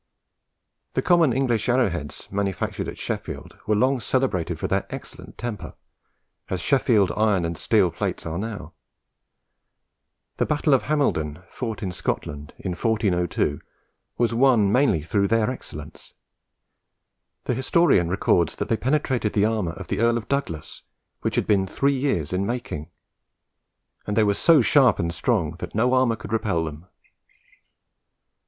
The common English arrowheads manufactured at Sheffield were long celebrated for their excellent temper, as Sheffield iron and steel plates are now. The battle of Hamildon, fought in Scotland in 1402, was won mainly through their excellence. The historian records that they penetrated the armour of the Earl of Douglas, which had been three years in making; and they were "so sharp and strong that no armour could repel them."